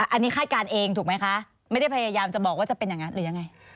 อันนี้คาดการณ์เองถูกไหมคะไม่ได้พยายามจะบอกว่าจะเป็นอย่างนั้นหรือยังไง